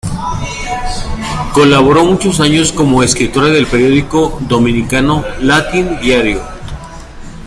Colaboró muchos años, como escritora en el periódico dominicano "Listín Diario".